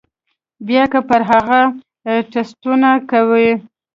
بيا کۀ پرې هغه ټسټونه کوي